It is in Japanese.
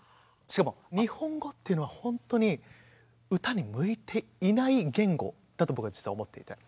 しかも日本語っていうのはほんとに歌に向いていない言語だと僕は実は思っていて。